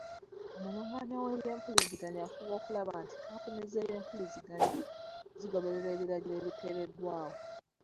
Omulungamya w'ebyempuliziganya afuba okulaba nti kampuni z'empuliziganya zigoberera ebiragiro ebiteereddwawo.